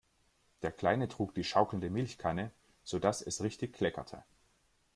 Der Kleine trug die schaukelnde Milchkanne, sodass es richtig kleckerte.